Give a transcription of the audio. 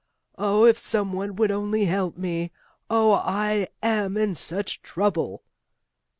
Oh, if some one would only help me! Oh, I am in such trouble!"